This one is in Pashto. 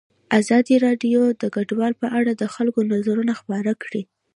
ازادي راډیو د کډوال په اړه د خلکو نظرونه خپاره کړي.